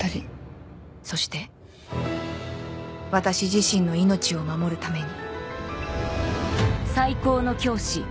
そして私自身の命を守るために